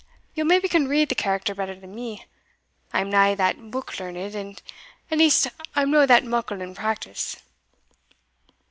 Ye'll maybe can read the character better than me I am nae that book learned, at least I'm no that muckle in practice."